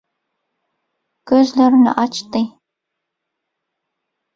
Gözlerini açdy.